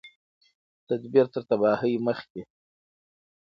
تدبیر تر تباهۍ مخکي